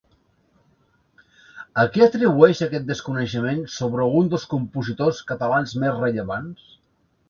A què atribueix aquest desconeixement sobre un dels compositors catalans més rellevants?